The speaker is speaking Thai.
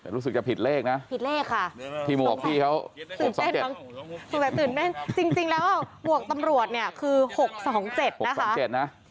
รู้สึกจะผิดเลขนะพี่หมวกพี่เขา๖๒๗สงสัยตื่นเมื่อนจริงแล้วหมวกตำรวจเนี่ยคือ๖๒๗นะคะ